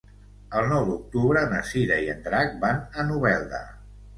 El nou d'octubre na Cira i en Drac van a Novelda.